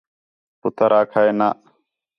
پُتر آکھا ہِے نہ